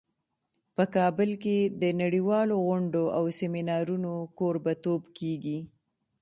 په کابل کې د نړیوالو غونډو او سیمینارونو کوربه توب کیږي